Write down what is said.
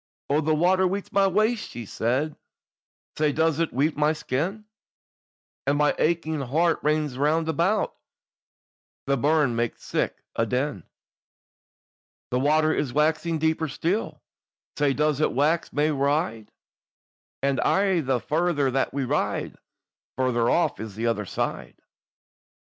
"Oh, the water weets my waist," she said, "Sae does it weet my skin, And my aching heart rins round about, The burn maks sic a din. "The water is waxing deeper still, Sae does it wax mair wide; And aye the farther that we ride on, Farther off is the other side.